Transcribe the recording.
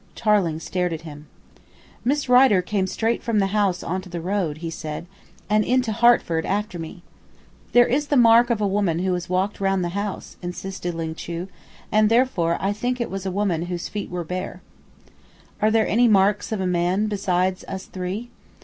Tarling stared at him. "Miss Rider came straight from the house on to the road," he said, "and into Hertford after me." "There is the mark of a woman who has walked round the house," insisted Ling Chu, "and, therefore, I think it was a woman whose feet were bare." "Are there any marks of a man beside us three?"